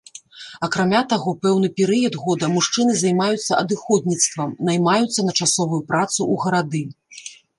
Акрамя таго, пэўны перыяд года мужчыны займаюцца адыходніцтвам, наймаюцца на часовую працу ў гарады.